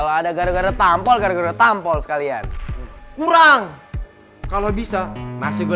ya udah gue pukulinnya satu satu